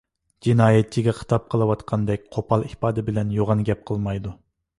جىنايەتچىگە خىتاب قىلىۋاتقاندەك قوپال ئىپادە بىلەن يوغان گەپ قىلمايدۇ.